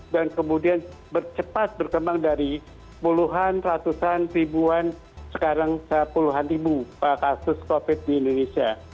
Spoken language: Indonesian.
dan kemudian cepat berkembang dari puluhan ratusan ribuan sekarang puluhan ribu kasus covid di indonesia